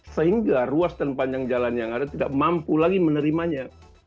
sehingga ruas dan panjang jalan yang ada tidak mampu lagi menerimanya